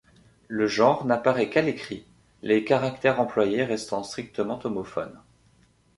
Le genre n'apparaît qu'à l'écrit, les caractères employés restant strictement homophones.